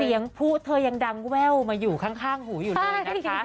พลุเธอยังดังแว่วมาอยู่ข้างหูอยู่เลยนะคะ